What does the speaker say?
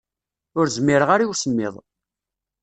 Ur zmireɣ ara i usemmiḍ.